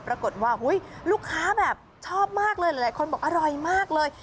ปรากฏว่าลูกค้าแบบชอบมากเลยหลายคนบอกอร่อยมากเลย